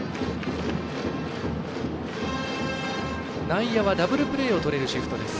内野はダブルプレーをとれるシフトです。